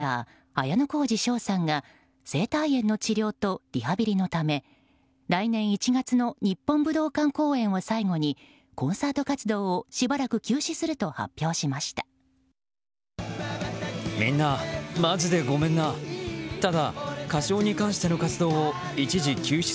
氣志團のリーダー綾小路翔さんが声帯炎の治療とリハビリのため来年１月の日本武道館公演を最後にコンサート活動をしばらく休止すると発表しました。